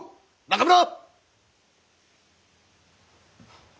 中村！